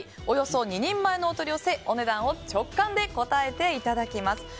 およそ２人前のお取り寄せお値段を直感で答えていただきます。